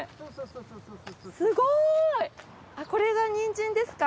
あっこれがニンジンですか？